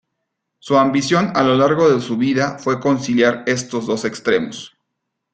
Su ambición a lo largo de su vida fue conciliar estos dos extremos.